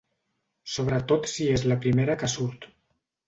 Sobretot si és la primera que surt.